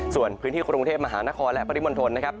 ส่วนพื้นที่กรุงเทพมหานครและปริมณฑลนะครับ